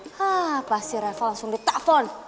ah pasti reva langsung di telfon